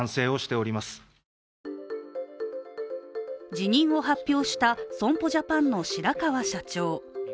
辞任を発表した損保ジャパンの白川社長。